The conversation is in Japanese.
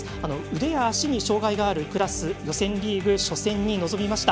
腕や足に障がいがあるクラス予選リーグ初戦に臨みました。